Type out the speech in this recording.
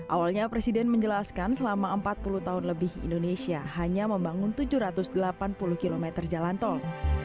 awalnya presiden menjelaskan selama empat puluh tahun lebih indonesia hanya membangun tujuh ratus delapan puluh km jalan tol